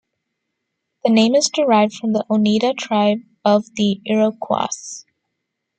The name is derived from the Oneida tribe of the Iroquois.